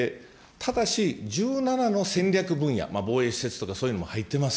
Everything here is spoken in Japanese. ただし、１７の戦略分野、防衛施設とかそういうのも入っています。